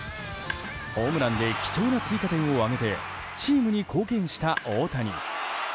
ホームランで貴重な追加点を挙げてチームに貢献した大谷。